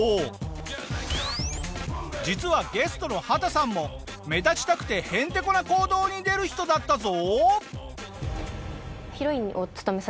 実はゲストの畑さんも目立ちたくてヘンテコな行動に出る人だったぞ！